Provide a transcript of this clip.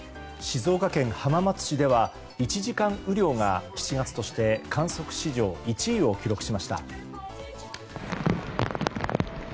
静岡県浜松市では１時間雨量が７月として観測史上１位を記録しました。